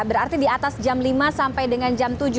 berarti di atas jam lima sampai dengan jam tujuh